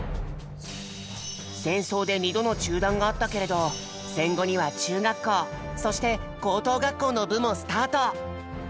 戦争で２度の中断があったけれど戦後には中学校そして高等学校の部もスタート。